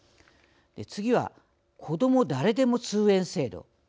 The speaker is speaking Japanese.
次はこども誰でも通園制度。